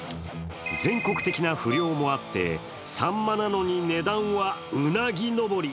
全国的な不漁もあって、サンマなのに値段は、うなぎ登り。